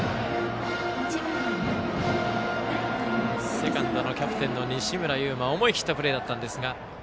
セカンドのキャプテン、西村侑真思い切ったプレーだったんですが。